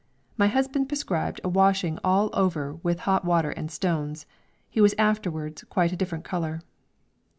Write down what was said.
My husband prescribed a washing all over with hot water and stones. He was afterwards quite a different colour.